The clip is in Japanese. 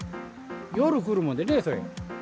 夜来るのでね、それ。